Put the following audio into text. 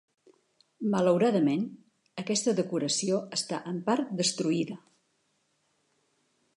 Malauradament, aquesta decoració està en part destruïda.